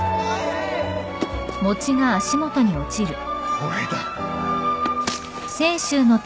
これだ！